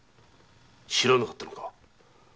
知らなかったのか？